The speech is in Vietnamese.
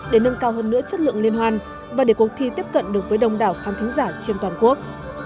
để nâng cao hơn nữa chất lượng liên hoan và để cuộc thi tiếp cận được với đông đảo khán thính giả trên toàn quốc